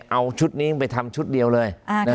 เอาชุดนี้ไปทำชุดเดียวเลย